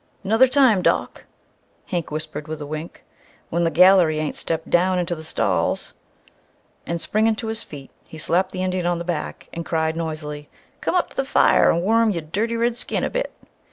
"'Nother time, Doc!" Hank whispered, with a wink, "when the gallery ain't stepped down into the stalls!" And, springing to his feet, he slapped the Indian on the back and cried noisily, "Come up t' the fire an' warm yer dirty red skin a bit."